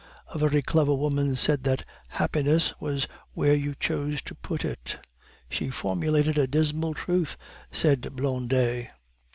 A very clever woman said that 'Happiness was where you chose to put it.'" "She formulated a dismal truth," said Blondet.